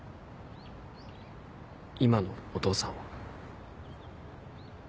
今のお父さんは？